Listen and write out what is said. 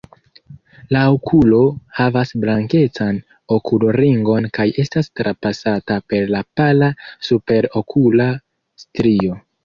La okulo havas blankecan okulringon kaj estas trapasata per pala superokula strio.